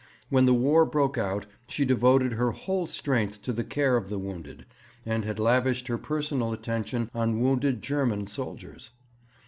When the War broke out she devoted her whole strength to the care of the wounded, and had lavished her personal attention on wounded German soldiers.